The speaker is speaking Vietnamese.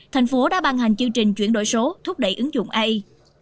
thành phố đã ban hành chương trình chuyển đổi số thúc đẩy ứng dụng ai